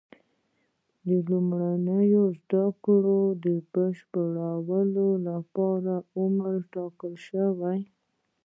د لومړنیو زده کړو بشپړولو لپاره عمر وټاکل شو.